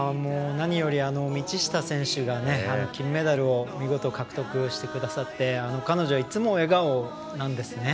道下選手が金メダルを見事獲得してくださって彼女、いつも笑顔なんですね。